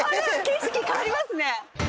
景色変わりますね。